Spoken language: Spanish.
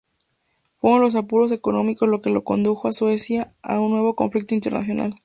Fueron los apuros económicos lo que condujo a Suecia a un nuevo conflicto internacional.